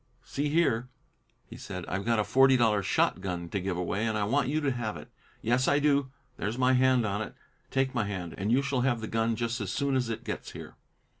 "See here!" he said. "I've got a forty dollar shotgun to give away, and I want you to have it. Yes, I do. There's my hand on it. Take my hand, and you shall have the gun just as soon as it gets here."